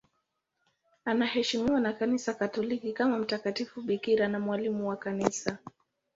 Anaheshimiwa na Kanisa Katoliki kama mtakatifu bikira na mwalimu wa Kanisa.